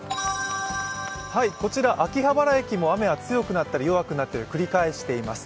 こちら、秋葉原駅も雨が弱くなったり強くなったり繰り返しています。